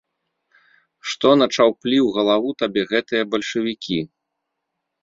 Што начаўплі ў галаву табе гэтыя бальшавікі?